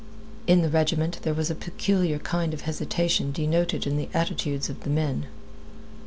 In the regiment there was a peculiar kind of hesitation denoted in the attitudes of the men.